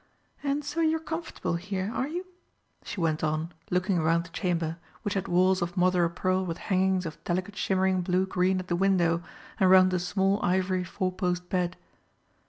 And so you're comfortable here, are you?" she went on, looking round the chamber, which had walls of mother o' pearl with hangings of delicate shimmering blue green at the window and round the small ivory four post bed.